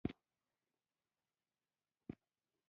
کرزی په لومړي سر کې ډېر بېچاره او د بهرنیانو په ساتنه کې و